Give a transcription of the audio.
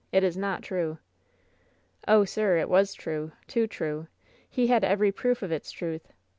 It is not true !" "Oh! sir, it was true — too true! He had every proof of its truth!